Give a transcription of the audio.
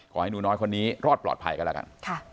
ขอให้หนูน้อยคนนี้รอดปลอดภัยกันแล้วกัน